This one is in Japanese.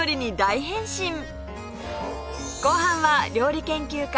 後半は料理研究家